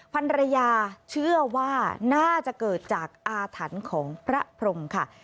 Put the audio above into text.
ภรรยาเชื่อว่าน่าจะเกิดจากอาถรรพ์ของพระพรมค่ะ